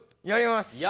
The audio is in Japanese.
やります！